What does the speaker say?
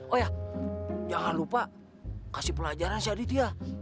oh ya jangan lupa kasih pelajaran si aditya